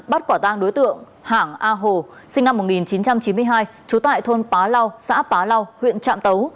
bắt quả tăng đối tượng hảng a hồ sinh năm một nghìn chín trăm chín mươi hai trú tại thôn pá lau xã pá lau huyện trạm tấu